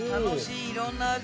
いろんな味！